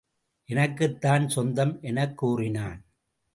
எனக்குத்தான் சொந்தம் எனக் கூறினான்.